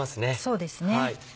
そうですね。